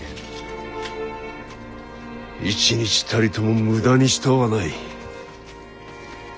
一日たりとも無駄にしとうはない。